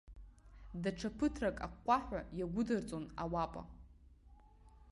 Даҽа ԥыҭрак аҟәҟәаҳәа иагәыдырҵон ауапа.